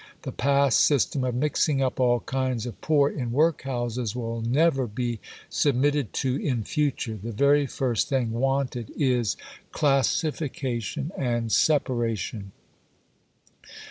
The past system of mixing up all kinds of poor in workhouses will never be submitted to in future. The very first thing wanted is classification and separation.